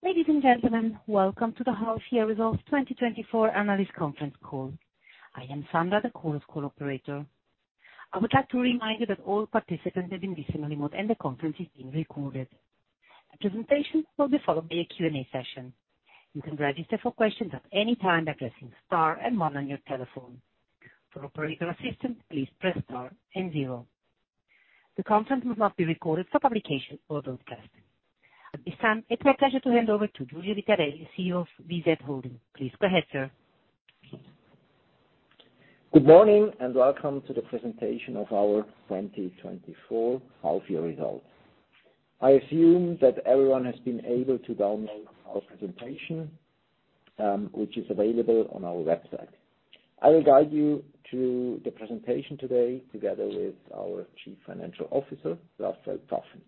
Ladies and gentlemen, welcome to the half year results 2024 analyst conference call. I am Sandra, the conference call operator. I would like to remind you that all participants have been listening remote and the conference is being recorded. The presentation will be followed by a Q&A session. You can register for questions at any time by pressing star and one on your telephone. For operator assistance, please press star and zero. The conference will not be recorded for publication or broadcasting. At this time, it's my pleasure to hand over to Giulio Vitarelli, CEO of VZ Holding. Please go ahead, sir. Good morning, and welcome to the presentation of our 2024 half-year results. I assume that everyone has been able to download our presentation, which is available on our website. I will guide you through the presentation today, together with our Chief Financial Officer, Rafael Pfaffen.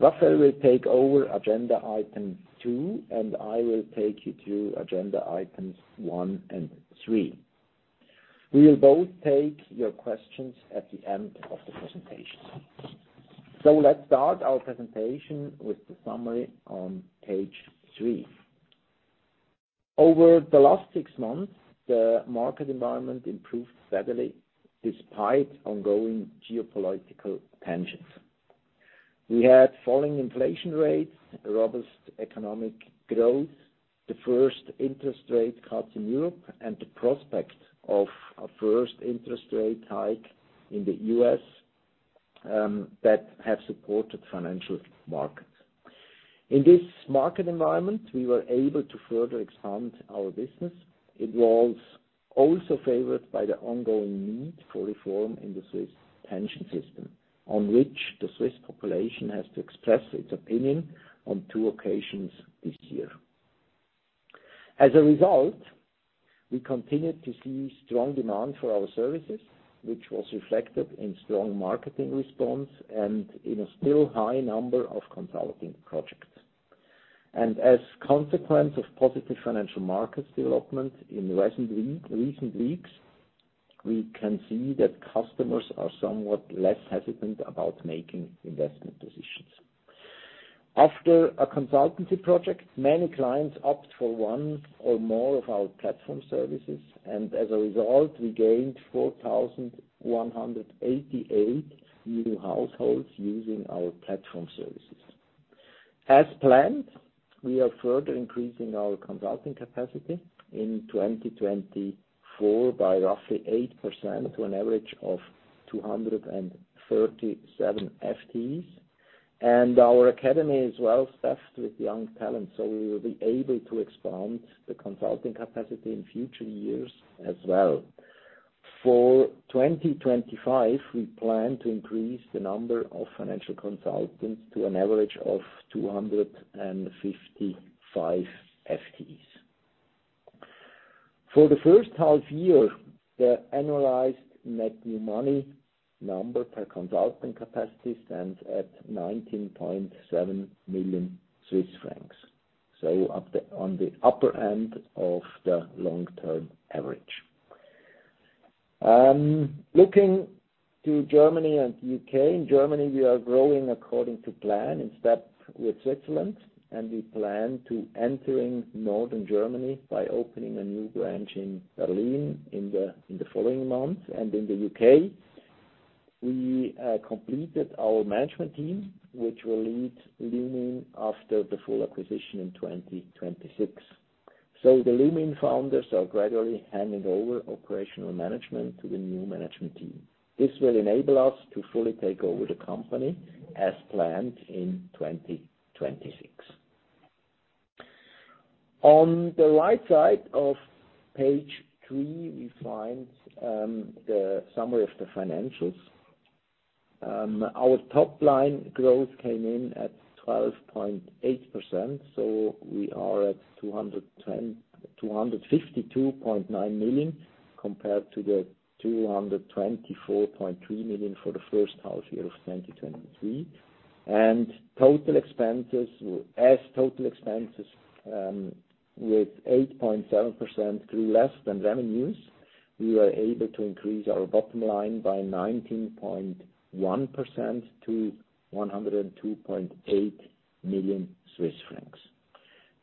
Rafael will take over agenda item 2, and I will take you through agenda items 1 and 3. We will both take your questions at the end of the presentation. Let's start our presentation with the summary on page 3. Over the last 6 months, the market environment improved steadily despite ongoing geopolitical tensions. We had falling inflation rates, robust economic growth, the first interest rate cuts in Europe, and the prospect of a first interest rate hike in the US, that have supported financial markets. In this market environment, we were able to further expand our business. It was also favored by the ongoing need for reform in the Swiss pension system, on which the Swiss population has to express its opinion on two occasions this year. As a result, we continued to see strong demand for our services, which was reflected in strong marketing response and in a still high number of consulting projects. And as a consequence of positive financial markets development in recent week, recent weeks, we can see that customers are somewhat less hesitant about making investment decisions. After a consultancy project, many clients opt for one or more of our platform services, and as a result, we gained 4,188 new households using our platform services. As planned, we are further increasing our consulting capacity in 2024 by roughly 8% to an average of 237 FTEs, and our academy is well staffed with young talent, so we will be able to expand the consulting capacity in future years as well. For 2025, we plan to increase the number of financial consultants to an average of 255 FTEs. For the first half year, the annualized net new money number per consulting capacity stands at 19.7 million Swiss francs, so on the upper end of the long-term average. Looking to Germany and UK. In Germany, we are growing according to plan, in step with Switzerland, and we plan to enter northern Germany by opening a new branch in Berlin in the following months. And in the UK, we completed our management team, which will lead Lumin after the full acquisition in 2026. So the Lumin founders are gradually handing over operational management to the new management team. This will enable us to fully take over the company as planned in 2026. On the right side of page three, we find the summary of the financials. Our top line growth came in at 12.8%, so we are at 252.9 million, compared to the 224.3 million for the first half year of 2023. And total expenses, as total expenses, with 8.7% grew less than revenues, we were able to increase our bottom line by 19.1% to 102.8 million Swiss francs.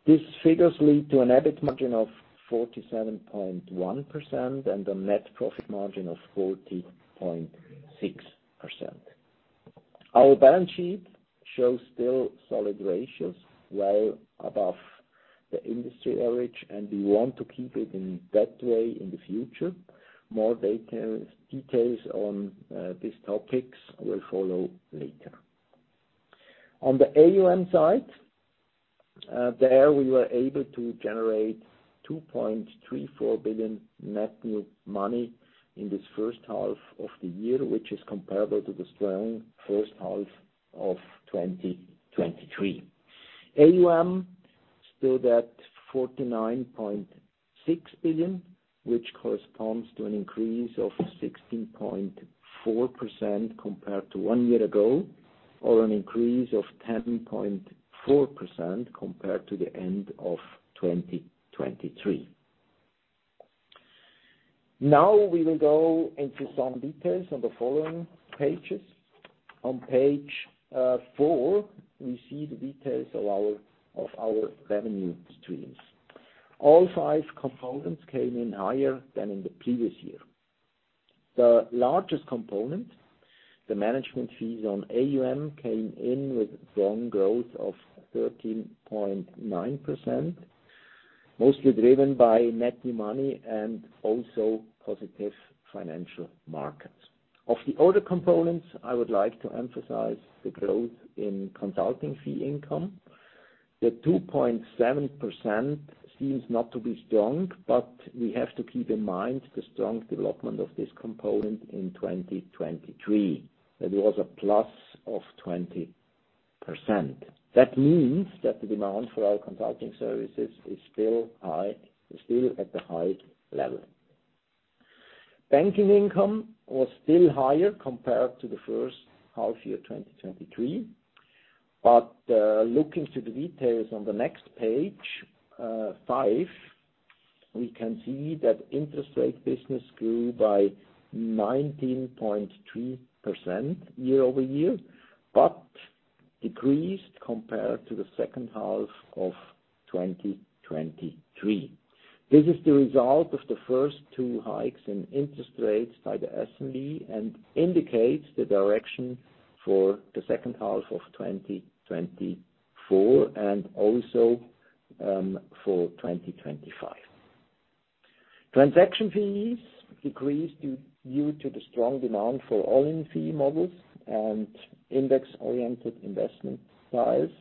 These figures lead to an EBIT margin of 47.1% and a net profit margin of 40.6%. Our balance sheet shows still solid ratios, well above the industry average, and we want to keep it in that way in the future. More details, details on, these topics will follow later. On the AUM side, there we were able to generate 2.34 billion net new money in this first half of the year, which is comparable to the strong first half of 2023. AUM stood at 49.6 billion, which corresponds to an increase of 16.4% compared to one year ago, or an increase of 10.4% compared to the end of 2023.... Now we will go into some details on the following pages. On page four, we see the details of our, of our revenue streams. All five components came in higher than in the previous year. The largest component, the management fees on AUM, came in with strong growth of 13.9%, mostly driven by net new money and also positive financial markets. Of the other components, I would like to emphasize the growth in consulting fee income. The 2.7% seems not to be strong, but we have to keep in mind the strong development of this component in 2023. That was a plus of 20%. That means that the demand for our consulting services is still high, is still at the high level. Banking income was still higher compared to the first half year, 2023. But looking to the details on the next page, 5, we can see that interest rate business grew by 19.2% year-over-year, but decreased compared to the second half of 2023. This is the result of the first two hikes in interest rates by the SNB and indicates the direction for the second half of 2024 and also for 2025. Transaction fees decreased due to the strong demand for all-in-fee models and index-oriented investment styles,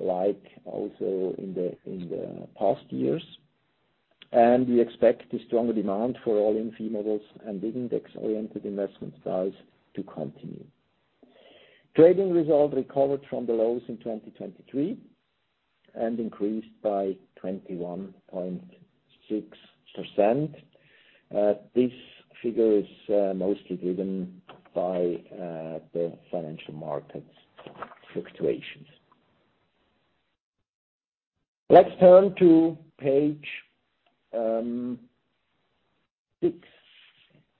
like also in the past years. And we expect the stronger demand for all-in-fee models and index-oriented investment styles to continue. Trading results recovered from the lows in 2023 and increased by 21.6%. This figure is mostly driven by the financial markets fluctuations. Let's turn to page 6.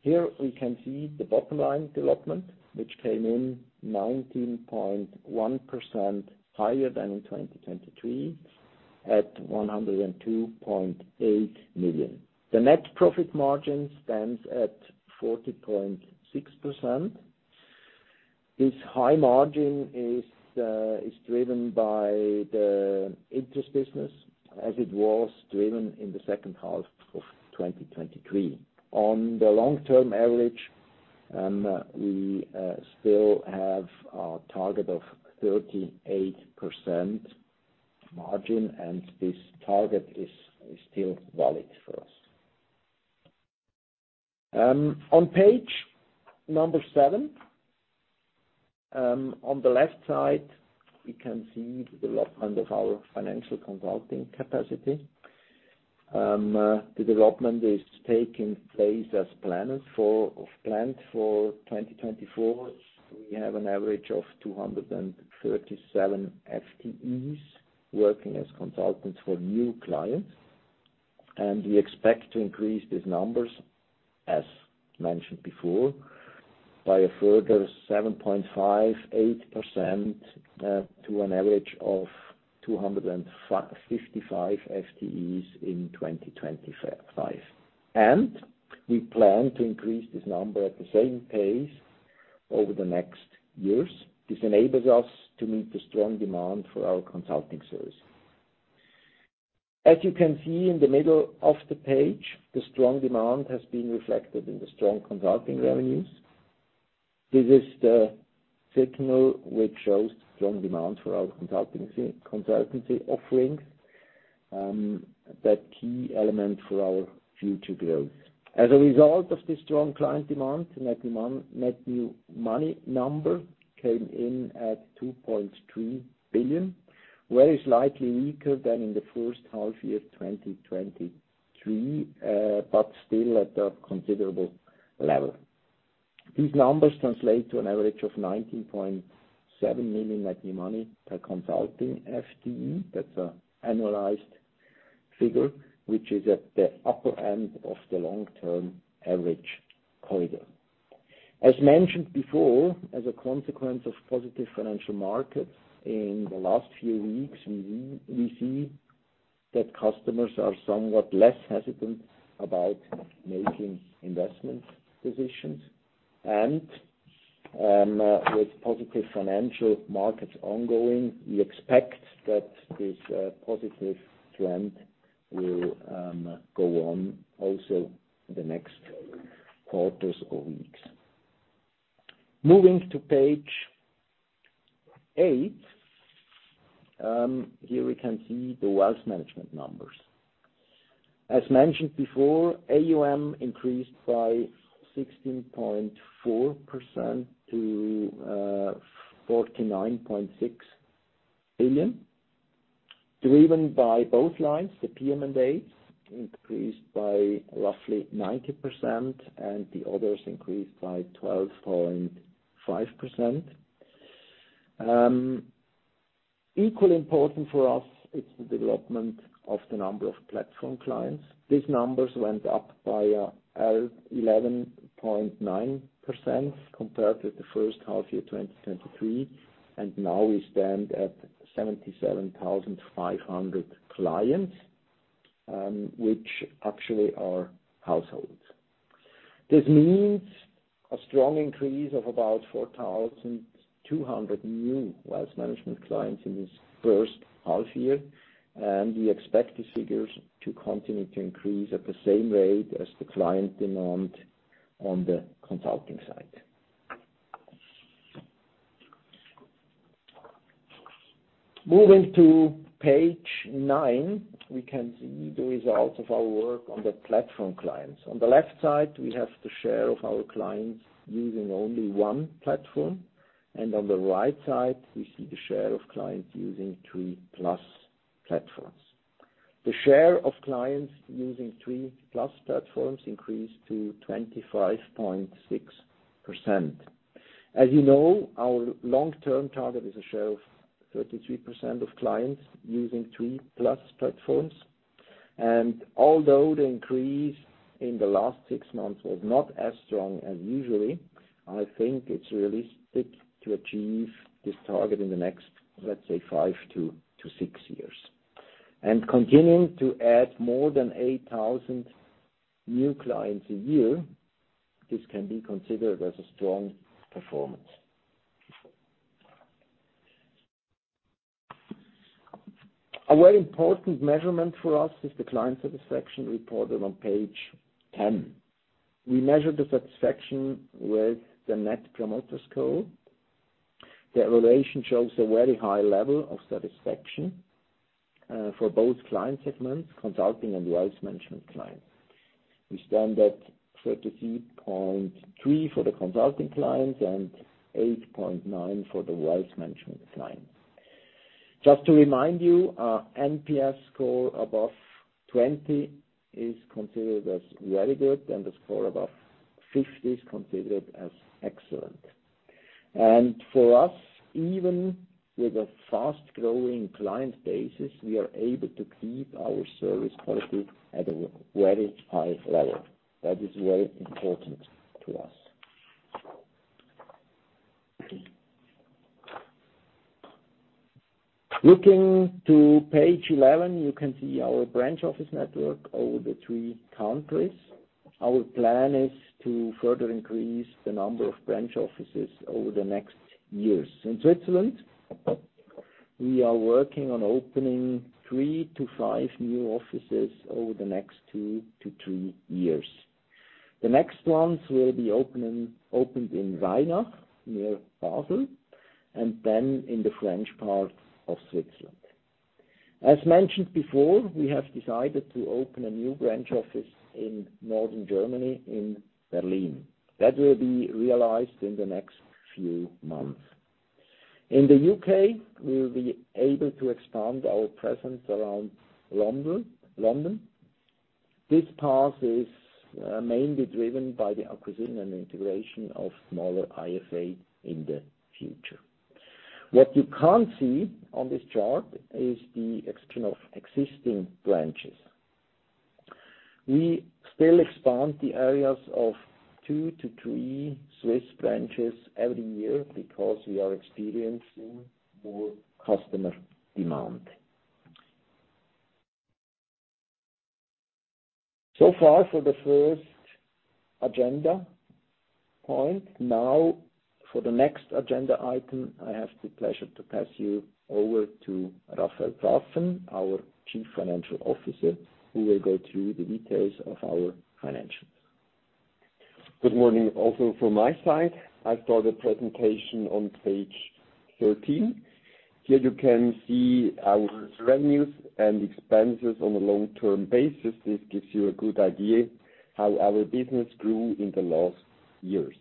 Here we can see the bottom line development, which came in 19.1% higher than in 2023, at 102.8 million. The net profit margin stands at 40.6%. This high margin is, is driven by the interest business, as it was driven in the second half of 2023. On the long-term average, we, still have our target of 38% margin, and this target is, is still valid for us. On page number 7, on the left side, we can see the development of our financial consulting capacity. The development is taking place as planned for, of planned for 2024. We have an average of 237 FTEs working as consultants for new clients, and we expect to increase these numbers, as mentioned before, by a further 7.58%, to an average of 255 FTEs in 2025. We plan to increase this number at the same pace over the next years. This enables us to meet the strong demand for our consulting services. As you can see in the middle of the page, the strong demand has been reflected in the strong consulting revenues. This is the signal which shows strong demand for our consultancy, consultancy offerings, that key element for our future growth. As a result of the strong client demand, net new money number came in at 2.3 billion, very slightly weaker than in the first half year of 2023, but still at a considerable level. These numbers translate to an average of 19.7 million net new money per consulting FTE. That's an annualized figure, which is at the upper end of the long-term average corridor. As mentioned before, as a consequence of positive financial markets in the last few weeks, we, we see that customers are somewhat less hesitant about making investment decisions. And, with positive financial markets ongoing, we expect that this positive trend will go on also in the next quarters or weeks. Moving to page 8, here we can see the wealth management numbers. As mentioned before, AUM increased by 16.4% to 49.6 billion, driven by both lines. The PM mandates increased by roughly 90%, and the others increased by 12.5%. Equally important for us is the development of the number of platform clients. These numbers went up by eleven point nine percent compared to the first half year, 2023, and now we stand at 77,500 clients, which actually are households. This means a strong increase of about 4,200 new wealth management clients in this first half year, and we expect these figures to continue to increase at the same rate as the client demand on the consulting side. Moving to page nine, we can see the results of our work on the platform clients. On the left side, we have the share of our clients using only one platform, and on the right side, we see the share of clients using three-plus platforms. The share of clients using three-plus platforms increased to 25.6%. As you know, our long-term target is a share of 33% of clients using three-plus platforms. Although the increase in the last six months was not as strong as usually, I think it's realistic to achieve this target in the next, let's say, 5 to 6 years. Continuing to add more than 8,000 new clients a year, this can be considered as a strong performance. A very important measurement for us is the client satisfaction reported on page 10. We measured the satisfaction with the Net Promoter Score. The evaluation shows a very high level of satisfaction for both client segments, consulting and wealth management clients. We stand at 30.3 for the consulting clients and 8.9 for the wealth management clients. Just to remind you, our NPS score above 20 is considered as very good, and a score above 50 is considered as excellent. And for us, even with a fast-growing client basis, we are able to keep our service quality at a very high level. That is very important to us. Looking to page 11, you can see our branch office network over the three countries. Our plan is to further increase the number of branch offices over the next years. In Switzerland, we are working on opening 3-5 new offices over the next 2-3 years. The next ones will be opening, opened in Reinach, near Basel, and then in the French part of Switzerland. As mentioned before, we have decided to open a new branch office in northern Germany, in Berlin. That will be realized in the next few months. In the UK, we will be able to expand our presence around London, London. This path is mainly driven by the acquisition and integration of smaller IFAs in the future. What you can't see on this chart is the extension of existing branches. We still expand the areas of two to three Swiss branches every year because we are experiencing more customer demand. So far for the first agenda point. Now, for the next agenda item, I have the pleasure to pass you over to Rafael Pfaffen, our Chief Financial Officer, who will go through the details of our financials. Good morning also from my side. I start the presentation on page 13. Here you can see our revenues and expenses on a long-term basis. This gives you a good idea how our business grew in the last years.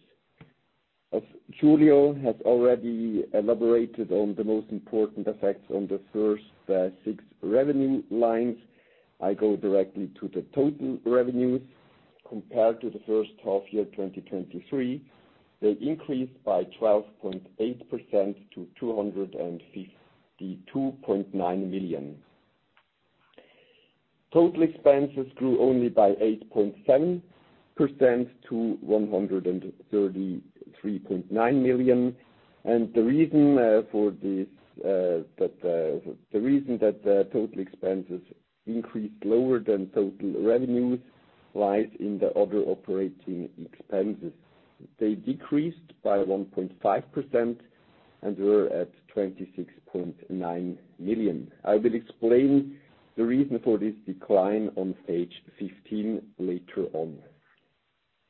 As Giulio has already elaborated on the most important effects on the first six revenue lines, I go directly to the total revenues. Compared to the first half year, 2023, they increased by 12.8% to 252.9 million. Total expenses grew only by 8.7% to 133.9 million. And the reason for this, that the reason that the total expenses increased lower than total revenues lies in the other operating expenses. They decreased by 1.5% and were at 26.9 million. I will explain the reason for this decline on page 15 later on.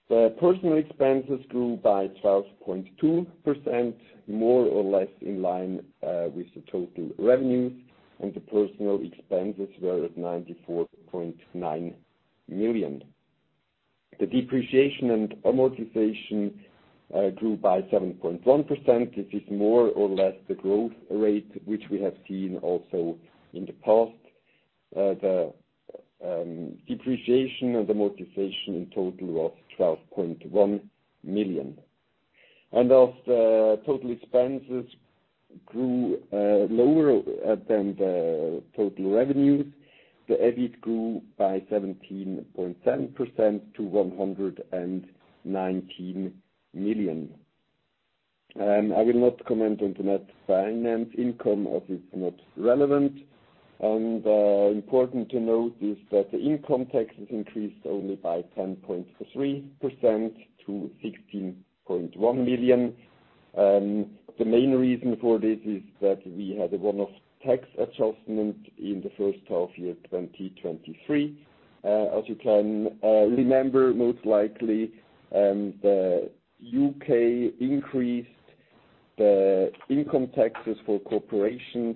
The personnel expenses grew by 12.2%, more or less in line with the total revenues, and the personnel expenses were at 94.9 million. The depreciation and amortization grew by 7.1%. This is more or less the growth rate, which we have seen also in the past. The depreciation and amortization in total of 12.1 million. As the total expenses grew lower than the total revenues, the EBIT grew by 17.7% to 119 million. I will not comment on the net finance income, as it's not relevant. Important to note is that the income tax is increased only by 10.3% to 16.1 million. The main reason for this is that we had a one-off tax adjustment in the first half year, 2023. As you can remember, most likely, the UK increased the income taxes for corporations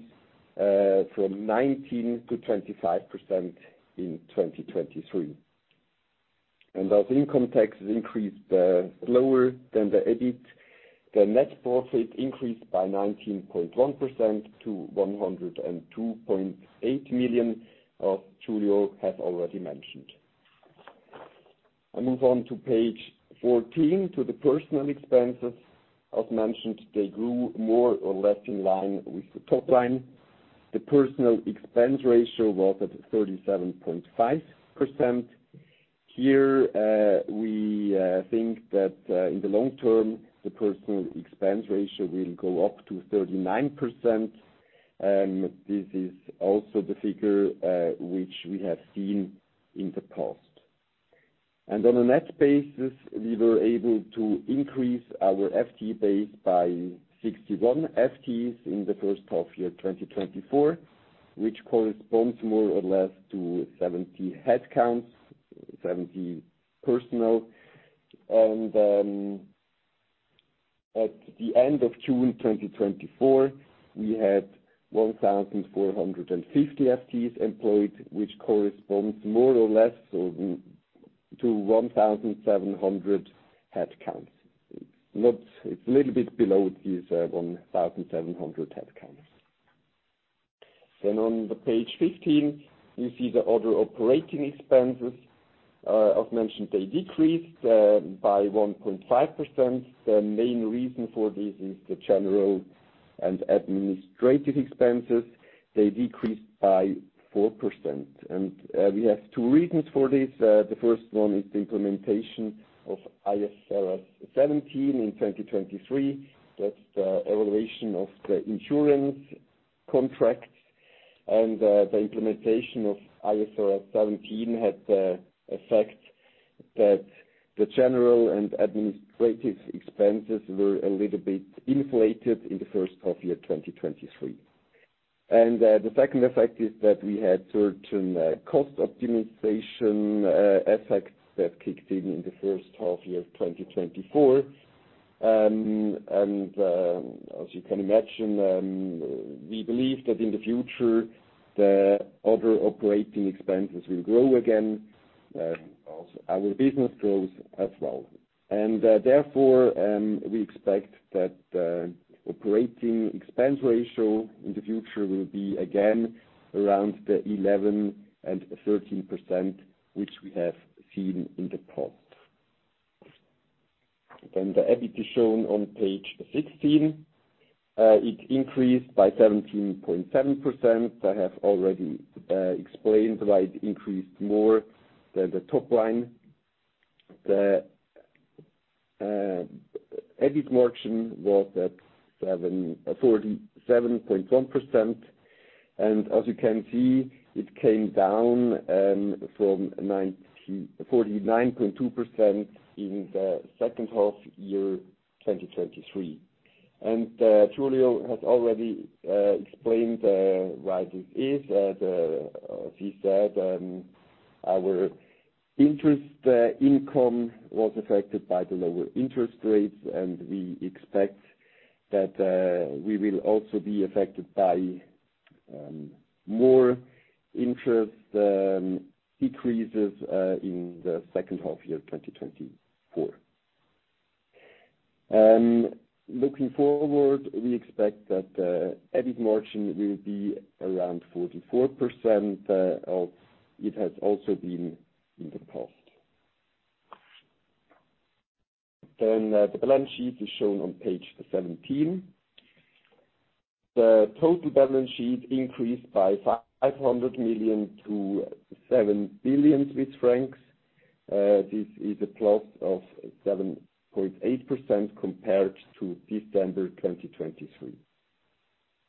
from 19% to 25% in 2023. And as income tax is increased lower than the EBIT, the net profit increased by 19.1% to 102.8 million, as Giulio has already mentioned. I move on to page 14, to the personnel expenses. As mentioned, they grew more or less in line with the top line. The personnel expense ratio was at 37.5%. Here, we think that in the long term, the personnel expense ratio will go up to 39%, and this is also the figure which we have seen in the past. On a net basis, we were able to increase our FTE base by 61 FTEs in the first half year, 2024, which corresponds more or less to 70 headcounts, 70 personnel. And at the end of June 2024, we had 1,450 FTEs employed, which corresponds more or less, so, to 1,700 headcount. It's a little bit below these 1,700 headcounts. Then on page 15, you see the other operating expenses. As mentioned, they decreased by 1.5%. The main reason for this is the general and administrative expenses. They decreased by 4%, and we have two reasons for this. The first one is the implementation of IFRS 17 in 2023. That's the evaluation of the insurance contract, and the implementation of IFRS 17 had the effect that the general and administrative expenses were a little bit inflated in the first half year, 2023. The second effect is that we had certain cost optimization effects that kicked in in the first half year of 2024. As you can imagine, we believe that in the future, the other operating expenses will grow again as our business grows as well. Therefore, we expect that the operating expense ratio in the future will be again around the 11%-13%, which we have seen in the past. The EBIT is shown on page 16. It increased by 17.7%. I have already explained why it increased more than the top line. The EBIT margin was at 47.1%, and as you can see, it came down from 49.2% in the second half year, 2023. Giulio has already explained why this is. He said our interest income was affected by the lower interest rates, and we expect that we will also be affected by more interest decreases in the second half year, 2024. Looking forward, we expect that the EBIT margin will be around 44%, as it has also been in the past. Then, the balance sheet is shown on page 17. The total balance sheet increased by 500 million to 7 billion Swiss francs. This is a plus of 7.8% compared to December 2023.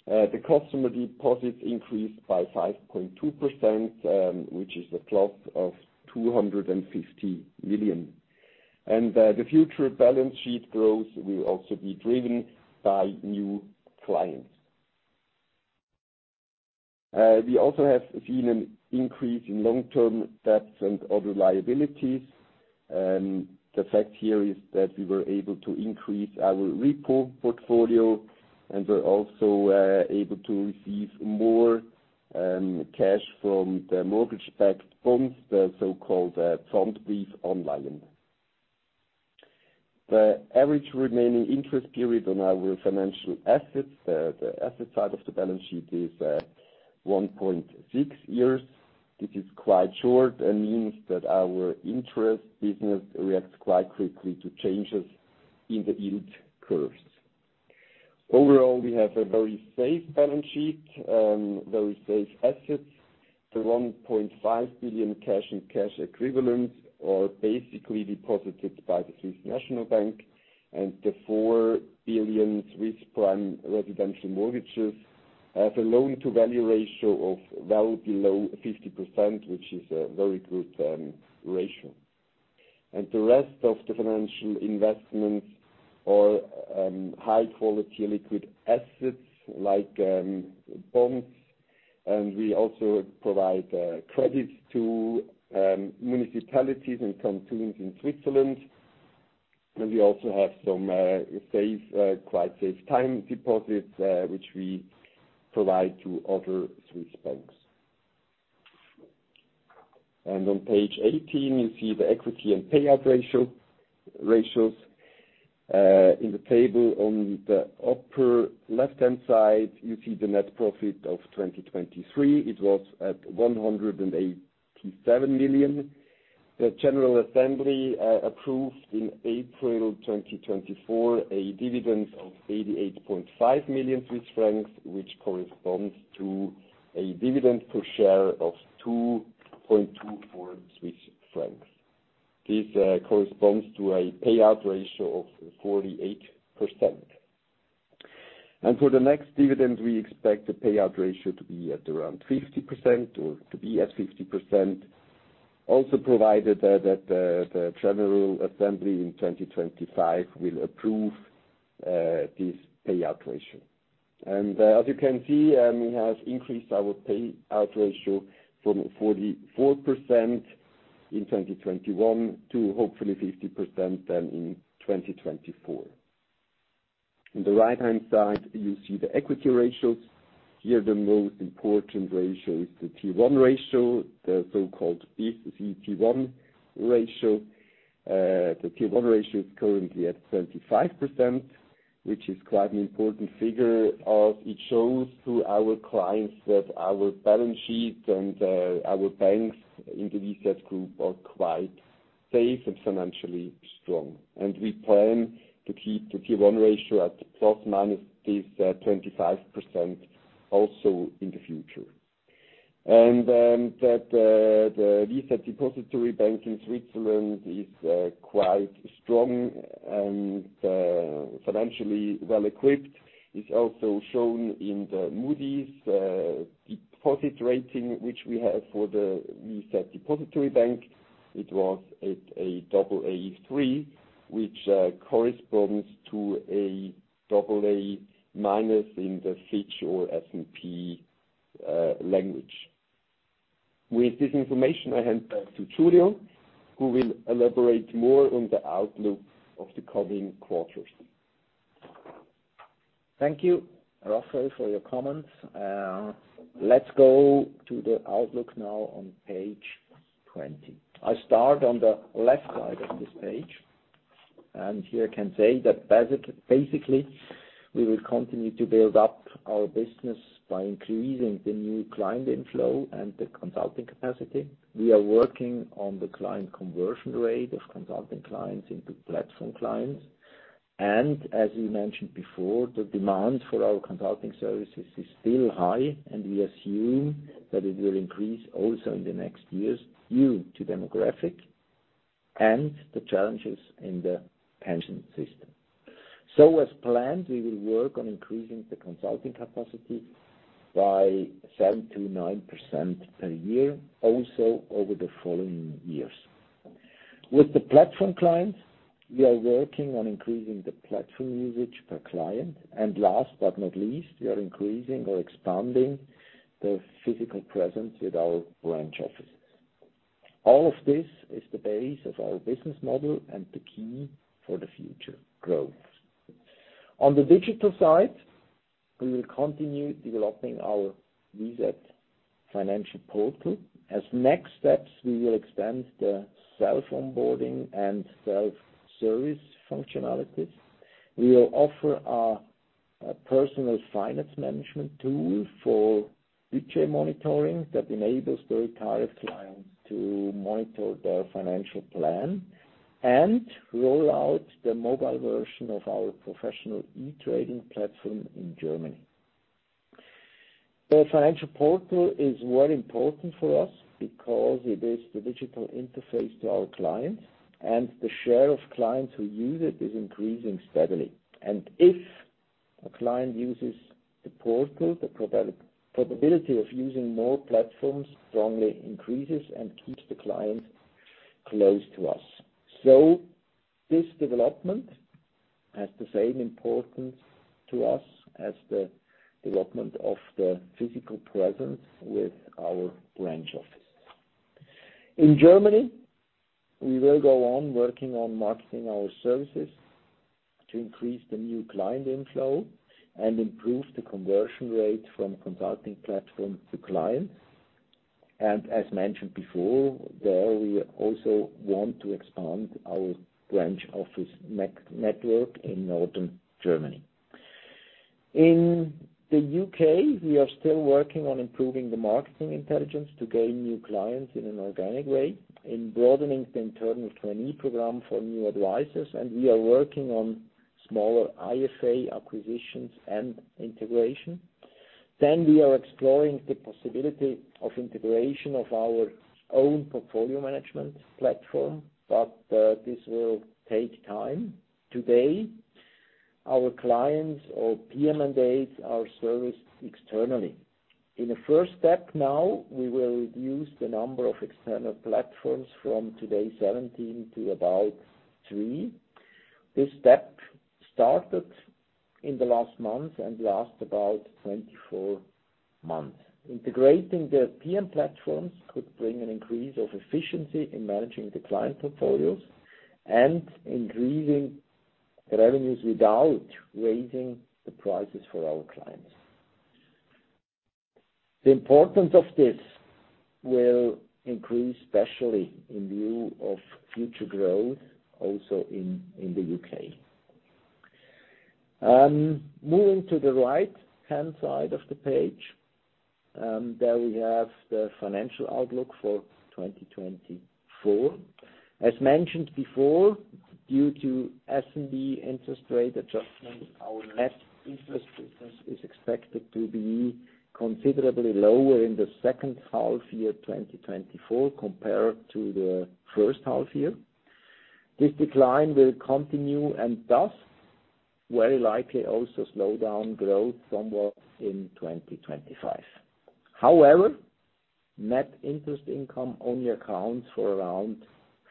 The customer deposits increased by 5.2%, which is a plus of 250 million. The future balance sheet growth will also be driven by new clients. We also have seen an increase in long-term debts and other liabilities. The fact here is that we were able to increase our repo portfolio, and we're also able to receive more cash from the mortgage-backed bonds, the so-called Pfandbrief. The average remaining interest period on our financial assets, the asset side of the balance sheet, is 1.6 years. This is quite short and means that our interest business reacts quite quickly to changes in the yield curves. Overall, we have a very safe balance sheet, very safe assets. The 1.5 billion cash and cash equivalents are basically deposited by the Swiss National Bank, and the 4 billion Swiss prime residential mortgages have a loan-to-value ratio of well below 50%, which is a very good ratio. The rest of the financial investments are high-quality liquid assets, like bonds, and we also provide credits to municipalities and cantons in Switzerland. We also have some quite safe time deposits, which we provide to other Swiss banks. On page 18, you see the equity and payout ratios. In the table on the upper left-hand side, you see the net profit of 2023. It was at 187 million. The General Assembly approved in April 2024 a dividend of 88.5 million Swiss francs, which corresponds to a dividend per share of 2.24 Swiss francs. This corresponds to a payout ratio of 48%. For the next dividend, we expect the payout ratio to be at around 50% or to be at 50%, also provided that the General Assembly in 2025 will approve this payout ratio. As you can see, we have increased our payout ratio from 44% in 2021 to hopefully 50% then in 2024. On the right-hand side, you see the equity ratios. Here, the most important ratio is the CET1 ratio, the so-called CET1 ratio. The CET1 ratio is currently at 25%, which is quite an important figure, as it shows to our clients that our balance sheet and our banks in the VZ Group are quite safe and financially strong. We plan to keep the CET1 ratio at ± this 25% also in the future. That the VZ Depository Bank in Switzerland is quite strong and financially well equipped is also shown in the Moody's deposit rating, which we have for the VZ Depository Bank. It was at Aa3, which corresponds to Aa- in the Fitch or SNB language. With this information, I hand back to Giulio, who will elaborate more on the outlook of the coming quarters. Thank you, Rafael, for your comments. Let's go to the outlook now on page 20. I start on the left side of this page, and here I can say that basically, we will continue to build up our business by increasing the new client inflow and the consulting capacity. We are working on the client conversion rate of consulting clients into platform clients, and as we mentioned before, the demand for our consulting services is still high, and we assume that it will increase also in the next years, due to demographic and the challenges in the pension system. So as planned, we will work on increasing the consulting capacity by 7%-9% per year, also over the following years. With the platform clients, we are working on increasing the platform usage per client. Last but not least, we are increasing or expanding the physical presence with our branch offices. All of this is the base of our business model and the key for the future growth. On the digital side, we will continue developing our VZ Financial Portal. As next steps, we will expand the self-onboarding and self-service functionalities. We will offer a personal finance management tool for budget monitoring that enables the retired clients to monitor their financial plan and roll out the mobile version of our professional e-trading platform in Germany. The financial portal is very important for us because it is the digital interface to our clients, and the share of clients who use it is increasing steadily. If a client uses the portal, the probability of using more platforms strongly increases and keeps the client close to us. So this development has the same importance to us as the development of the physical presence with our branch office. In Germany, we will go on working on marketing our services to increase the new client inflow and improve the conversion rate from consulting platform to client. And as mentioned before, there we also want to expand our branch office network in Northern Germany. In the UK, we are still working on improving the marketing intelligence to gain new clients in an organic way, in broadening the internal trainee program for new advisors, and we are working on smaller IFA acquisitions and integration. Then we are exploring the possibility of integration of our own portfolio management platform, but this will take time. Today, our clients or PM mandates are serviced externally. In the first step now, we will reduce the number of external platforms from today 17 to about 3. This step started in the last month and last about 24 months. Integrating the PM platforms could bring an increase of efficiency in managing the client portfolios and increasing revenues without raising the prices for our clients. The importance of this will increase, especially in view of future growth, also in the UK. Moving to the right-hand side of the page, there we have the financial outlook for 2024. As mentioned before, due to SNB interest rate adjustments, our net interest business is expected to be considerably lower in the second half year, 2024, compared to the first half year. This decline will continue and thus very likely also slow down growth somewhat in 2025. However, net interest income only accounts for around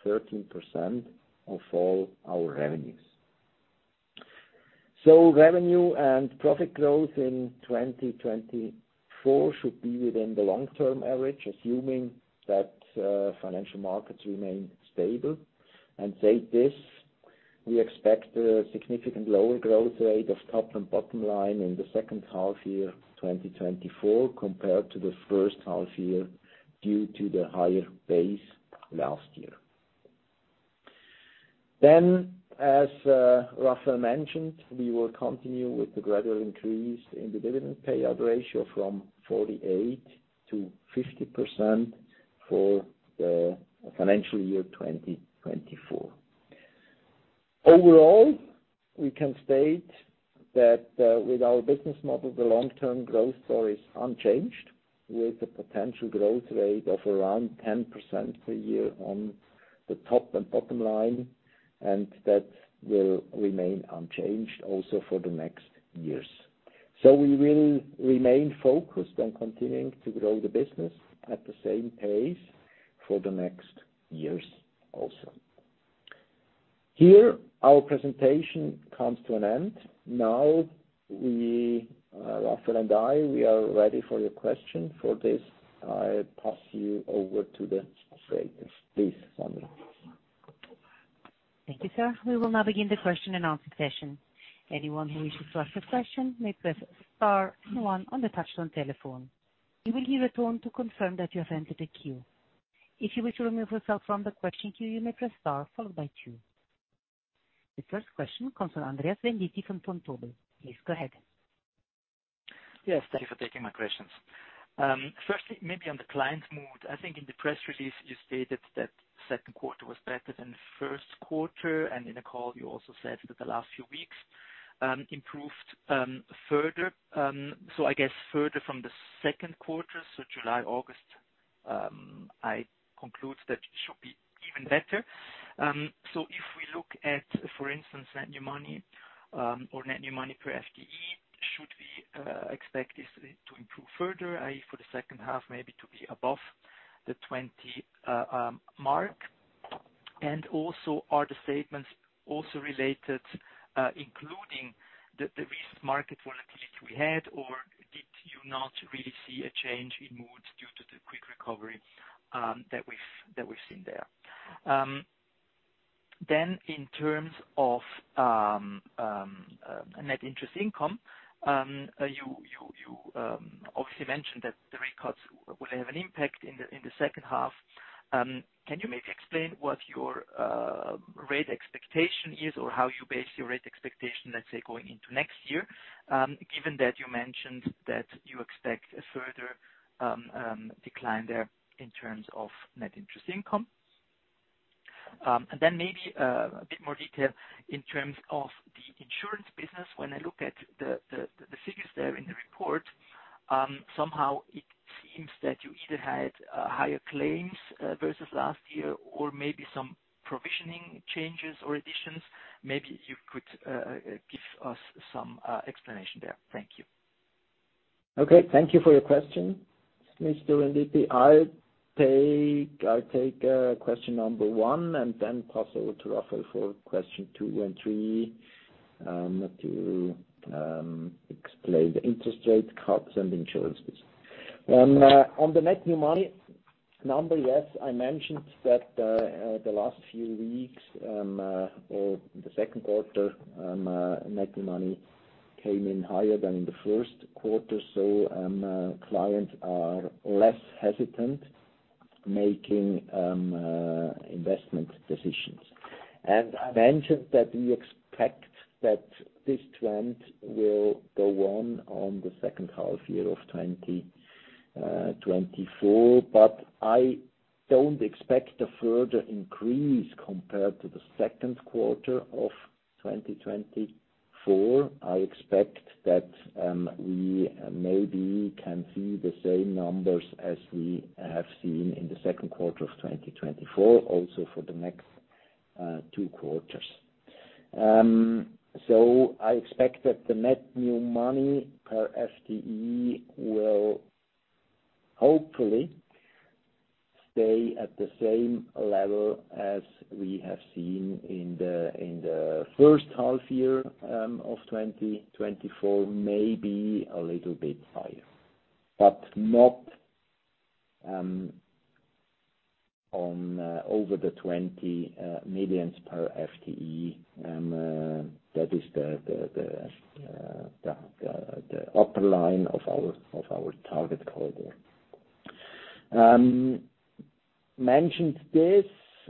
13% of all our revenues. So revenue and profit growth in 2024 should be within the long-term average, assuming that financial markets remain stable. And say this, we expect a significant lower growth rate of top and bottom line in the second half year, 2024, compared to the first half year, due to the higher base last year. Then, as Rafael mentioned, we will continue with the gradual increase in the dividend payout ratio from 48% to 50% for the financial year 2024. Overall, we can state that with our business model, the long-term growth story is unchanged, with a potential growth rate of around 10% per year on the top and bottom line, and that will remain unchanged also for the next years. So we will remain focused on continuing to grow the business at the same pace for the next years also. Here, our presentation comes to an end. Now, we, Rafael and I, we are ready for your question. For this, I pass you over to the operator. Please, Sandra. Thank you, sir. We will now begin the question and answer session. Anyone who wishes to ask a question may press star one on the touchtone telephone. You will hear a tone to confirm that you have entered the queue. If you wish to remove yourself from the question queue, you may press star followed by two. The first question comes from Andreas Venditti from Vontobel. Please go ahead. Yes, thank you for taking my questions. Firstly, maybe on the client mood. I think in the press release, you stated that second quarter was better than the first quarter, and in the call, you also said that the last few weeks improved further. So I guess further from the second quarter, so July, August, I conclude that it should be even better. So if we look at, for instance, net new money, or net new money per FTE, should we expect this to improve further, i.e., for the second half, maybe to be above the 20 mark? And also, are the statements also related, including the recent market volatility we had, or did you not really see a change in mood due to the quick recovery that we've seen there? Then in terms of net interest income, you obviously mentioned that the rate cuts will have an impact in the second half. Can you maybe explain what your rate expectation is or how you base your rate expectation, let's say, going into next year, given that you mentioned that you expect a further decline there in terms of net interest income? And then maybe a bit more detail in terms of the insurance business. When I look at the figures there in the report, somehow it seems that you either had higher claims versus last year or maybe some provisioning changes or additions. Maybe you could give us some explanation there. Thank you. Okay. Thank you for your question, Mr. Venditti. I take question number one and then pass over to Rafael for question two and three, to explain the interest rate cuts and insurance business. On the net new money number, yes, I mentioned that the last few weeks or the second quarter, net new money came in higher than in the first quarter, so clients are less hesitant making investment decisions. And I mentioned that we expect that this trend will go on in the second half year of 2024. But I don't expect a further increase compared to the second quarter of 2024. I expect that we maybe can see the same numbers as we have seen in the second quarter of 2024, also for the next two quarters. So I expect that the net new money per FTE will hopefully stay at the same level as we have seen in the first half year of 2024, maybe a little bit higher. But not over the 20 million per FTE, and that is the upper line of our target corridor. Mentioned this,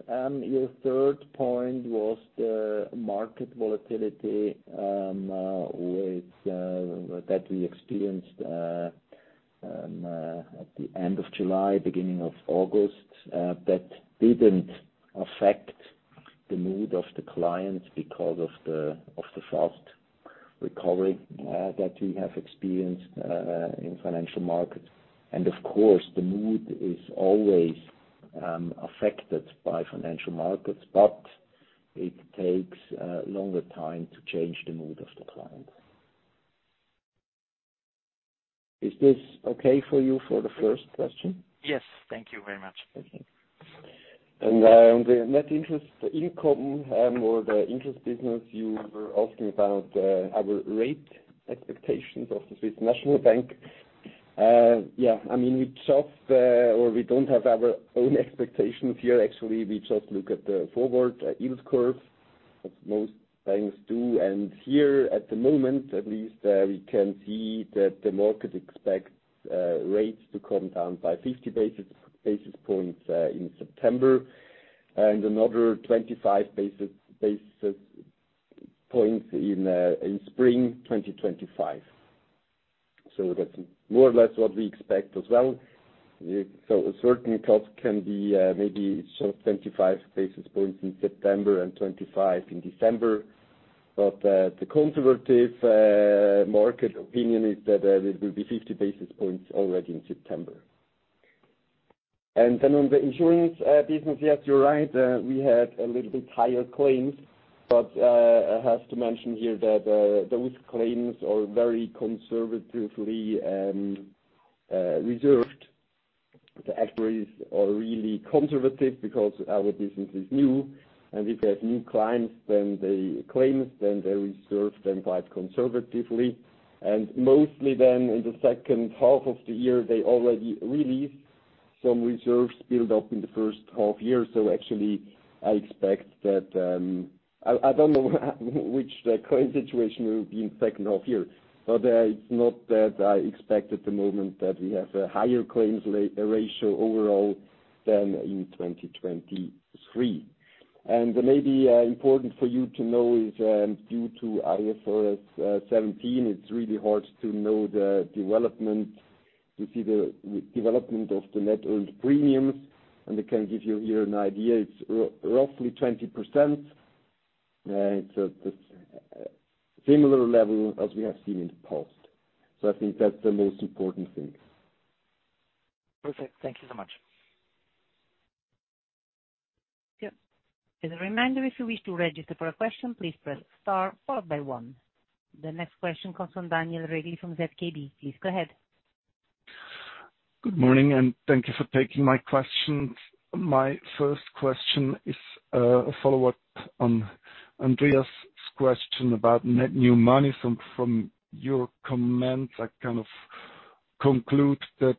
your third point was the market volatility with that we experienced at the end of July, beginning of August. That didn't affect the mood of the clients because of the fast recovery that we have experienced in financial markets. And of course, the mood is always affected by financial markets, but it takes a longer time to change the mood of the client. Is this okay for you for the first question? Yes, thank you very much. Okay. And on the net interest income, or the interest business, you were asking about, our rate expectations of the Swiss National Bank. Yeah, I mean, we just or we don't have our own expectations here. Actually, we just look at the forward yield curve, as most banks do. And here, at the moment, at least, we can see that the market expects rates to come down by 50 basis points in September, and another 25 basis points in spring 2025. So that's more or less what we expect as well. So a certain cost can be maybe sort of 25 basis points in September and 25 in December. But the conservative market opinion is that it will be 50 basis points already in September. And then on the insurance business, yes, you're right, we had a little bit higher claims, but I have to mention here that those claims are very conservatively reserved. The actuaries are really conservative because our business is new, and if we have new clients, then they claims, then they reserve them quite conservatively. And mostly then, in the second half of the year, they already released some reserves built up in the first half year. So actually, I expect that... I don't know which current situation will be in second half year, but it's not that I expect at the moment that we have a higher claims ratio overall than in 2023. Maybe important for you to know is, due to IFRS 17, it's really hard to know the development, to see the development of the net owned premiums, and I can give you here an idea. It's roughly 20%, it's just similar level as we have seen in the past. So I think that's the most important thing. Perfect. Thank you so much. Yep. As a reminder, if you wish to register for a question, please press star followed by one. The next question comes from Daniel Regli from ZKB. Please go ahead. Good morning, and thank you for taking my questions. My first question is a follow-up on Andreas's question about net new money. From your comments, I kind of conclude that,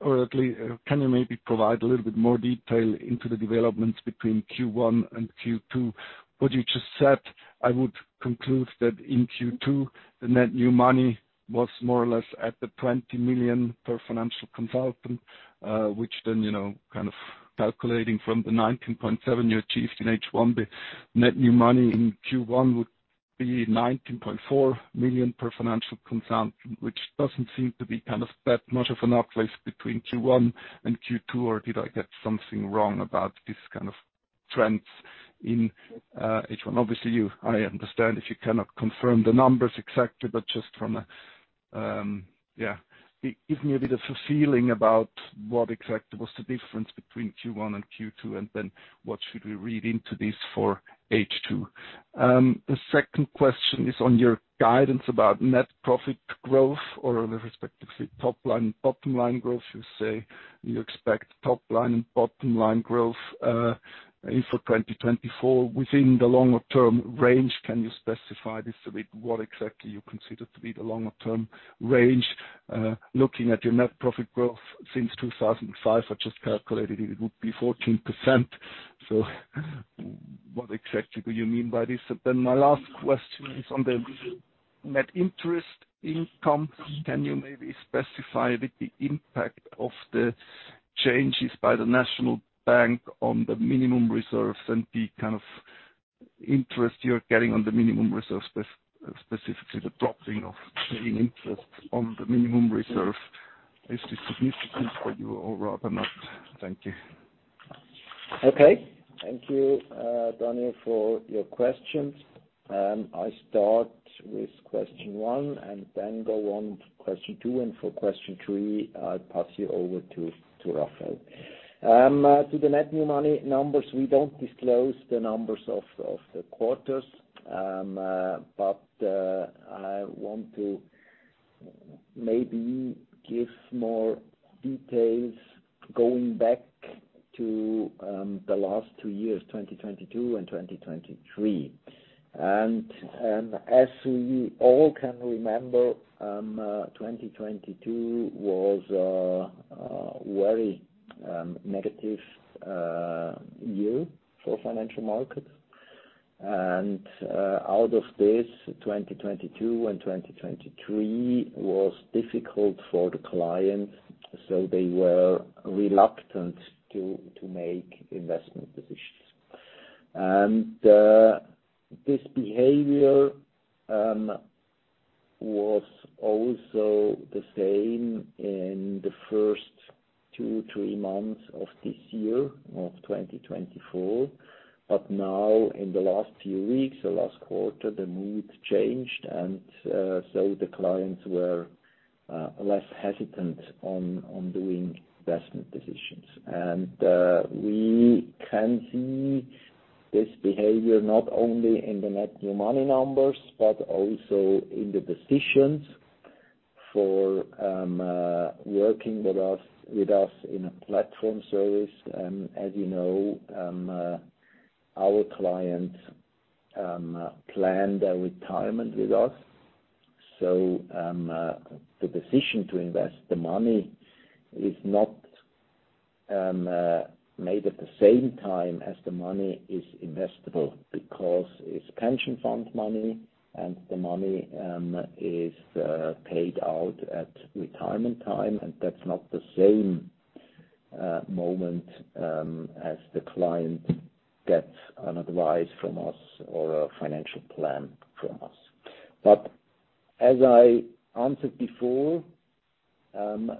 or at least, can you maybe provide a little bit more detail into the developments between Q1 and Q2? What you just said, I would conclude that in Q2, the net new money was more or less at the 20 million per financial consultant, which then, you know, kind of calculating from the 19.7 you achieved in H1, the net new money in Q1 would be 19.4 million per financial consultant, which doesn't seem to be kind of that much of an uplift between Q1 and Q2. Or did I get something wrong about this kind of trends in H1? Obviously, you, I understand if you cannot confirm the numbers exactly, but just from a, give me a bit of a feeling about what exactly was the difference between Q1 and Q2, and then what should we read into this for H2. The second question is on your guidance about net profit growth, or respectively, top line and bottom line growth. You say you expect top line and bottom line growth, in for 2024 within the longer term range. Can you specify this a bit, what exactly you consider to be the longer term range? Looking at your net profit growth since 2005, I just calculated it, it would be 14%... So what exactly do you mean by this? And then my last question is on the net interest income. Can you maybe specify the impact of the changes by the National Bank on the minimum reserves and the kind of interest you're getting on the minimum reserves, specifically the dropping of the interest on the minimum reserve? Is this significant for you or rather not? Thank you. Okay. Thank you, Daniel, for your questions. I'll start with question one, and then go on to question two, and for question three, I'll pass you over to Rafael. To the net new money numbers, we don't disclose the numbers of the quarters, but I want to maybe give more details going back to the last two years, 2022 and 2023. As we all can remember, 2022 was a very negative year for financial markets. Out of this, 2022 and 2023 was difficult for the clients, so they were reluctant to make investment decisions. This behaviour was also the same in the first two, three months of this year, of 2024. But now, in the last few weeks, the last quarter, the mood changed, and so the clients were less hesitant on doing investment decisions. And we can see this behavior not only in the net new money numbers, but also in the decisions for working with us in a platform service. As you know, our clients plan their retirement with us. So the decision to invest the money is not made at the same time as the money is investable, because it's pension fund money, and the money is paid out at retirement time. And that's not the same moment as the client gets an advice from us or a financial plan from us. But as I answered before,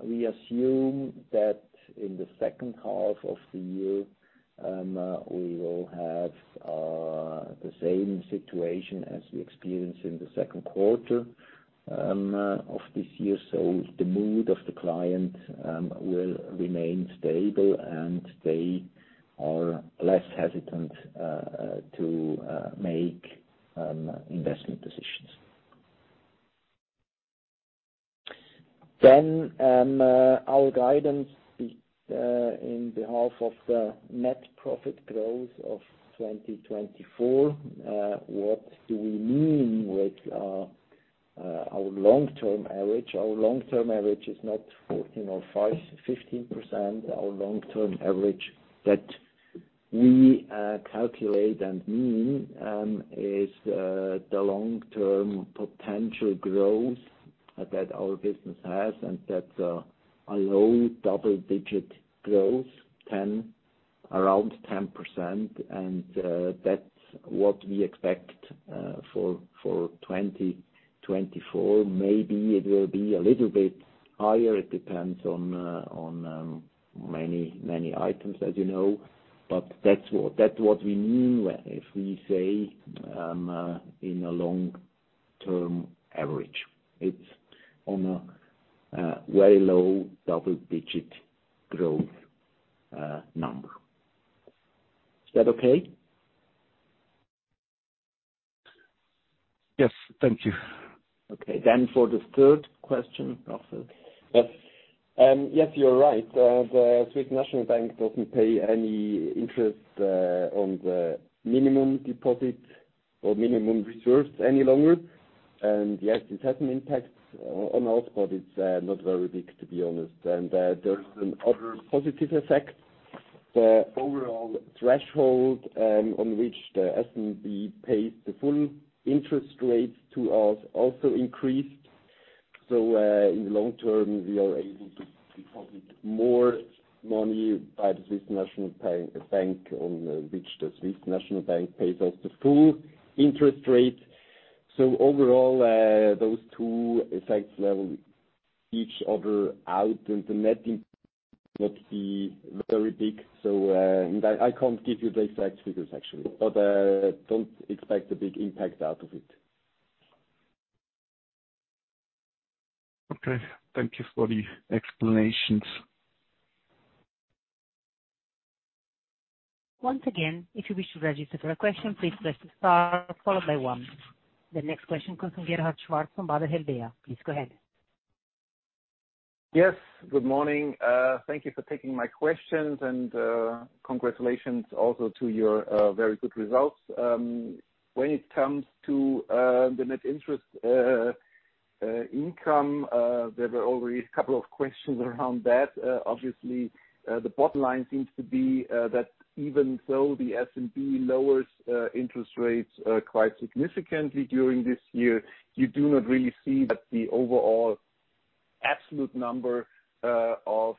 we assume that in the second half of the year, we will have the same situation as we experienced in the second quarter of this year. The mood of the client will remain stable, and they are less hesitant to make investment decisions. Our guidance is in behalf of the net profit growth of 2024, what do we mean with our long-term average? Our long-term average is not 14 or 15%. Our long-term average that we calculate and mean is the long-term potential growth that our business has, and that's a low double-digit growth, 10, around 10%, and that's what we expect for 2024. Maybe it will be a little bit higher. It depends on, on, many, many items, as you know. But that's what, that's what we mean when, if we say, in a long-term average. It's on a, very low double-digit growth, number. Is that okay? Yes. Thank you. Okay. Then for the third question, Rafael? Yes. Yes, you're right. The Swiss National Bank doesn't pay any interest on the minimum deposit or minimum reserves any longer. And yes, this has an impact on us, but it's not very big, to be honest. And there's another positive effect. The overall threshold on which the SNB pays the full interest rates to us also increased. So in the long term, we are able to deposit more money by the Swiss National Bank on which the Swiss National Bank pays us the full interest rate. So overall, those two effects level each other out, and the net impact not be very big. So and I can't give you the exact figures, actually, but don't expect a big impact out of it. Okay. Thank you for the explanations. Once again, if you wish to register a question, please press star followed by one. The next question comes from Gerhard Schwarz from Baader Helvea. Please go ahead. Yes, good morning. Thank you for taking my questions, and, congratulations also to your, very good results. When it comes to the net interest income, there were already a couple of questions around that. Obviously, the bottom line seems to be that even though the S&P lowers interest rates quite significantly during this year, you do not really see that the overall absolute number of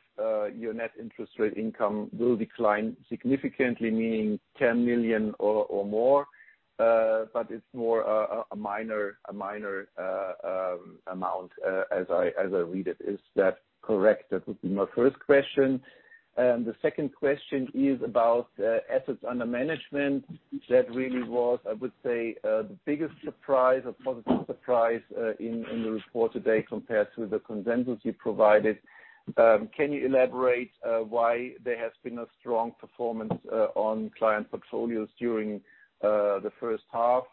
your net interest rate income will decline significantly, meaning 10 million or more. But it's more a minor amount, as I read it. Is that correct? That would be my first question. And the second question is about assets under management. That really was, I would say, the biggest surprise, a positive surprise, in the report today compared to the consensus you provided. Can you elaborate why there has been a strong performance on client portfolios during the first half?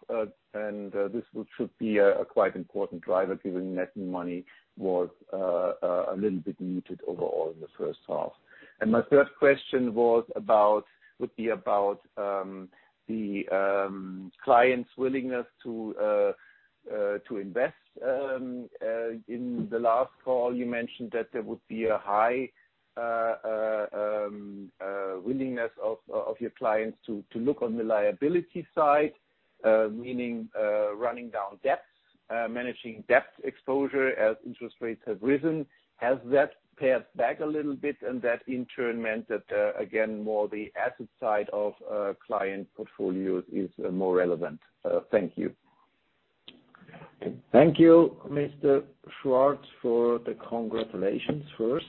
And this should be a quite important driver, given net new money was a little bit muted overall in the first half. And my third question was about- would be about the clients' willingness to invest. In the last call, you mentioned that there would be a high willingness of your clients to look on the liability side, meaning running down debts, managing debt exposure as interest rates have risen. Has that pared back a little bit, and that in turn meant that, again, more the asset side of, client portfolios is more relevant? Thank you. Thank you, Mr. Schwarz, for the congratulations first.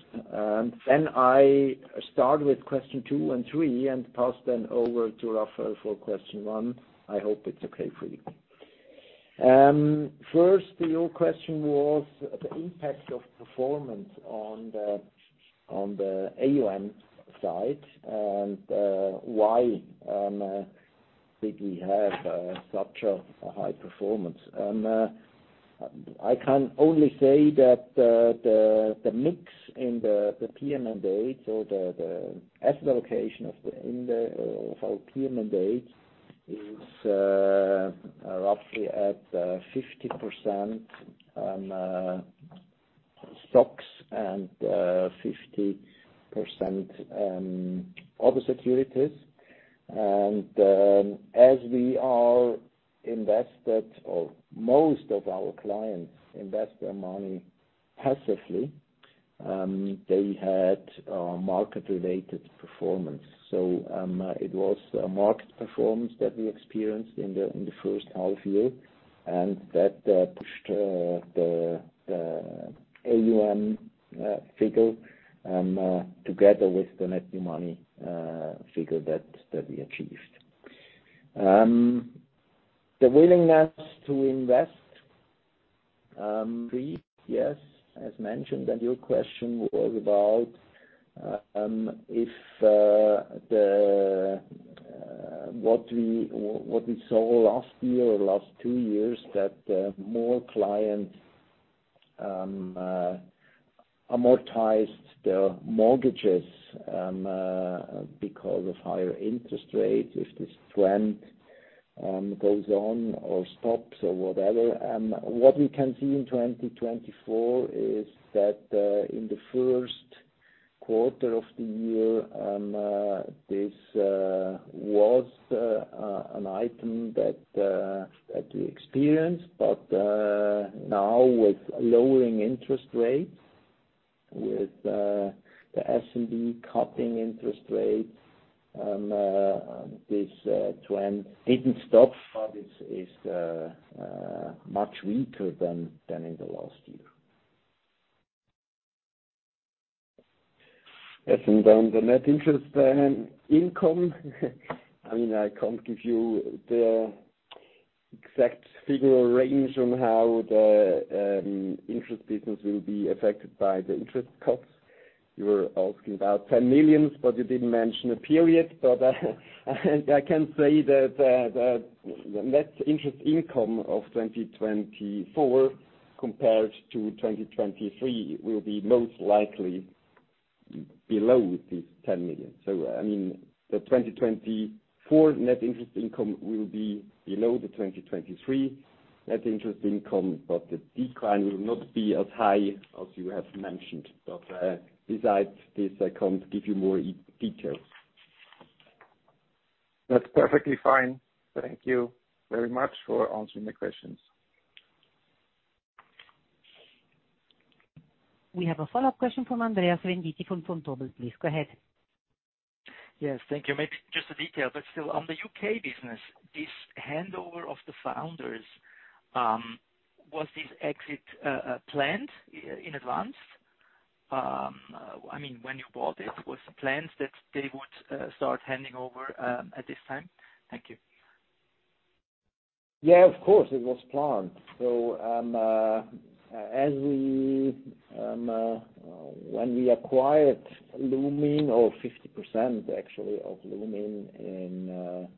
Then I start with question two and three and pass them over to Rafael for question one. I hope it's okay for you. First, your question was the impact of performance on the AUM side, and why did we have such a high performance? And I can only say that the mix in the PM mandates or the asset allocation of our PM mandates is roughly at 50% stocks and 50% other securities. And as we are invested, or most of our clients invest their money passively, they had market-related performance. So, it was a market performance that we experienced in the, in the first half year, and that pushed the AUM figure together with the net new money figure that we achieved. The willingness to invest, yes, as mentioned, and your question was about, if the what we saw last year or last two years, that more clients amortized their mortgages because of higher interest rates, if this trend goes on or stops or whatever. What we can see in 2024 is that, in the first quarter of the year, this was an item that we experienced. But now with lowering interest rates, with the S&P cutting interest rates, this trend didn't stop, but it's much weaker than in the last year. Yes, and on the net interest income, I mean, I can't give you the exact figure or range on how the interest business will be affected by the interest cuts. You were asking about 10 million, but you didn't mention a period. But I can say that the net interest income of 2024 compared to 2023 will be most likely below this 10 million. So, I mean, the 2024 net interest income will be below the 2023 net interest income, but the decline will not be as high as you have mentioned. But besides this, I can't give you more details. That's perfectly fine. Thank you very much for answering the questions. We have a follow-up question from Andreas Venditti from Vontobel. Please, go ahead. Yes, thank you. Maybe just a detail, but still, on the UK business, this handover of the founders, was this exit, planned in advance? I mean, when you bought it, was the plans that they would, start handing over, at this time? Thank you. Yeah, of course, it was planned. So, as we, when we acquired Lumin, or 50% actually of Lumin in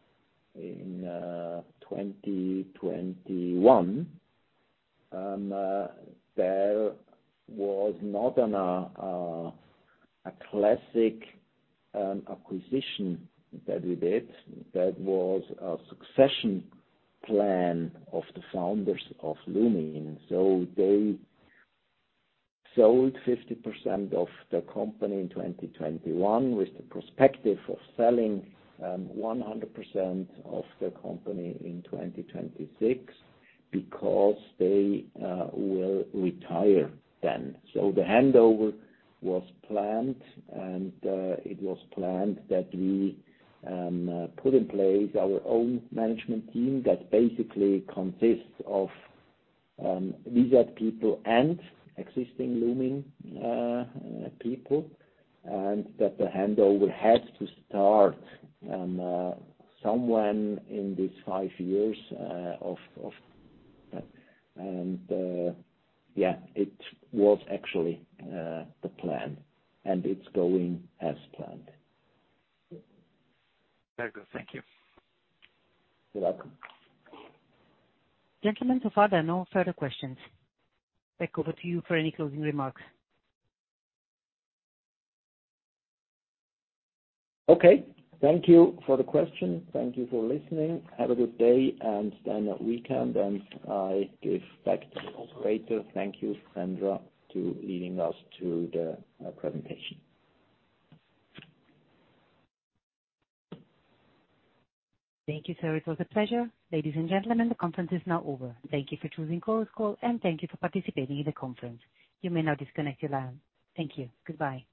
2021, that was not on a classic acquisition that we did. That was a succession plan of the founders of Lumin. So they sold 50% of the company in 2021 with the perspective of selling 100% of the company in 2026, because they will retire then. So the handover was planned, and it was planned that we put in place our own management team that basically consists of new people and existing Lumin people, and that the handover had to start somewhere in these five years, of, of... Yeah, it was actually the plan, and it's going as planned. Very good. Thank you. You're welcome. Gentlemen, so far, there are no further questions. Back over to you for any closing remarks. Okay. Thank you for the question. Thank you for listening. Have a good day and then weekend, and I give back to the operator. Thank you, Sandra, to leading us to the presentation. Thank you, sir. It was a pleasure. Ladies and gentlemen, the conference is now over. Thank you for choosing Conference Call, and thank you for participating in the conference. You may now disconnect your line. Thank you. Goodbye.